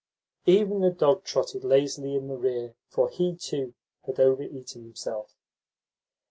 Even the dog trotted lazily in the rear; for he, too, had over eaten himself.